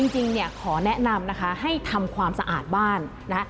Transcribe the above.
จริงเนี่ยขอแนะนำนะคะให้ทำความสะอาดบ้านนะคะ